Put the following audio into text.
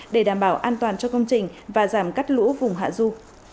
để đảm bảo an toàn cho công trình và giảm cắt lũ vùng hạ du